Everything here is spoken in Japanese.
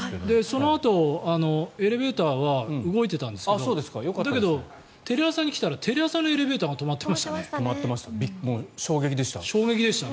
そのあとエレベーターは動いてたんですがだけどテレ朝に来たらテレ朝のエレベーターが衝撃でした。